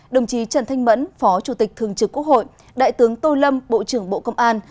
đồng chí trần thanh mẫn phó chủ tịch thường trực quốc hội đại tướng tô lâm bộ trưởng bộ công an